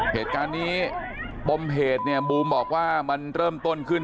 เหตุการณ์นี้ปมเหตุเนี่ยบูมบอกว่ามันเริ่มต้นขึ้น